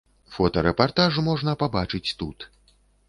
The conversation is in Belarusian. Фотарэпартаж можна пабачыць тут.